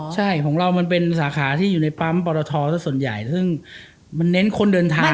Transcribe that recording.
ใช่ของเรามันเป็นสาขาที่อยู่ในปั๊มปรทสักส่วนใหญ่ซึ่งมันเน้นคนเดินทาง